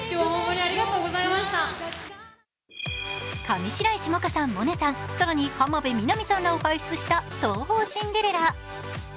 上白石萌歌さん、萌音さん、更に浜辺美波さんらを輩出した東宝シンデレラ。